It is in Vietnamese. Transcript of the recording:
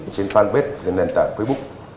trên fanpage trên nền tảng facebook